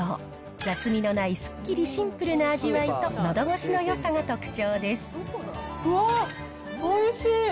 雑味のないすっきりシンプルな味わいと、のどごしのよさが特徴でわー、おいしい！